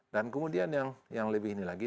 dan kemudian yang lebih ini lagi